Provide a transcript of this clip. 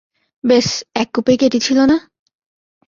ব্যস এক কোপেই কেটেছিল না?